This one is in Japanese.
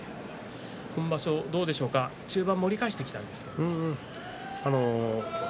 今場所どうでしょうか中盤盛り返したんですが。